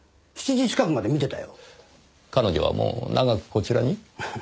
彼女はもう長くこちらに？